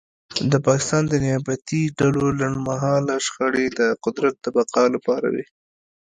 د پاکستان د نیابتي ډلو لنډمهاله شخړې د قدرت د بقا لپاره وې